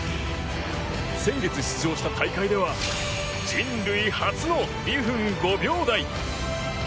先月出場した大会では人類初の２分５秒台。